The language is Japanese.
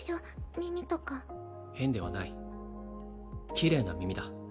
耳とか変ではないキレイな耳だ